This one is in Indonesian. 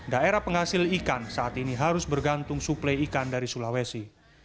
daerah penghasil ikan saat ini harus bergantung suplai ikan dari sulawesi